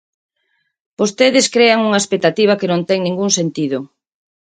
Vostedes crean unha expectativa que non ten ningún sentido.